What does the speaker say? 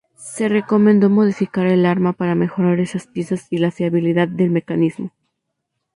Se recomendó modificar el arma para mejorar esas piezas y la fiabilidad del mecanismo.